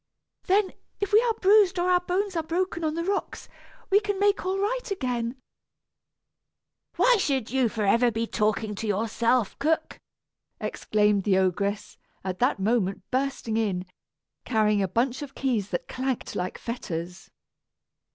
Then, if we are bruised or our bones are broken on the rocks, we can make all right again " "Why should you forever be talking to yourself, cook?" exclaimed the ogress, at that moment bursting in, carrying a bunch of keys that clanked like fetters.